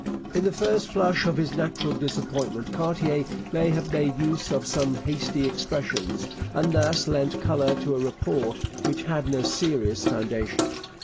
In the first flush of his natural disappointment Cartier may have made use of some hasty expressions, and thus lent colour to a report which had no serious foundation.